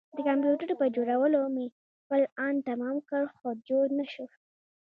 د کمپيوټر پر جوړولو مې خپل ان تمام کړ خو جوړ نه شو.